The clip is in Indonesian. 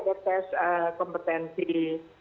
dan kemudian pembuatan makalah di tempat